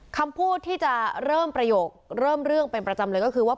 คำพูดที่จะเริ่มประโยคเริ่มเรื่องเป็นประจำเลยก็คือว่า